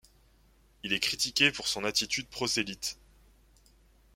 Il est critiqué pour son attitude prosélyte.